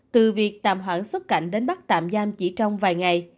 từ việc tạm hoãn xuất cảnh đến bắt tạm giam chỉ trong vài ngày